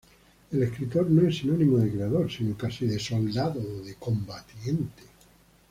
El escritor no es sinónimo de creador, sino casi de soldado o de combatiente.